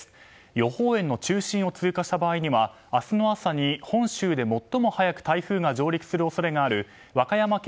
予報円の中心を通過した場合には明日の朝に本州で最も早く台風が上陸する恐れがある和歌山県